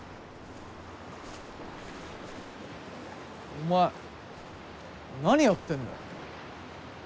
お前何やってんだよ。